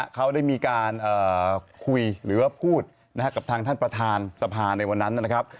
เขาได้มีการคุยหรือว่าพูดนะครับกับทางท่านประธานสภาในวันนั้นนะครับ